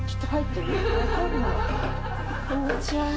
こんにちは。